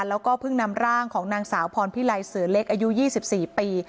แล้วก็เพิ่งนำร่างของนางสาวพรพิไลเสือเล็กอายุ๒๔ปี